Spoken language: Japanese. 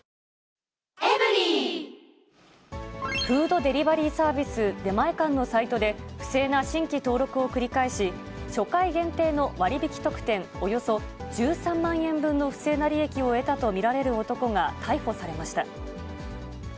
フードデリバリーサービス、出前館のサイトで、不正な新規登録を繰り返し、初回限定の割引特典およそ１３万円分の不正な利益を得たと見られる男が逮捕されました。